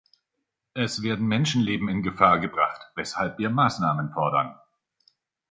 Es werden Menschenleben in Gefahr gebracht, weshalb wir Maßnahmen fordern.